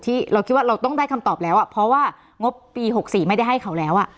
ที่เราคิดว่าเราต้องได้คำตอบแล้วเพราะว่างบปี๖๔ไม่ได้ให้เขาแล้ว